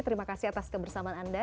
terima kasih atas kebersamaan anda